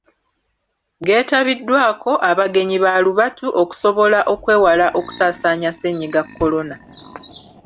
Geetabiddwako abagenyi balubatu okusobola okwewala okusaasaanya Ssennyiga kolona.